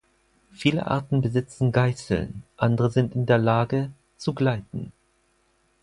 Viele Arten besitzen Geißeln, andere sind in der Lage, zu gleiten.